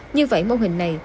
như vậy mô hình này